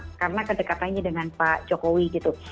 karena kedekatannya dengan pak jokowi gitu